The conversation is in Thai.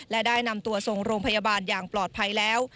และได้นำตัวส่งโรงพยาบาลอย่างปลอดภัยแล้ว